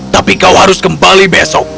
tapi kau harus kembali besok